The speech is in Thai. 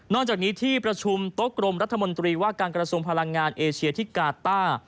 จากนี้ที่ประชุมโต๊ะกรมรัฐมนตรีว่าการกระทรวงพลังงานเอเชียที่กาต้า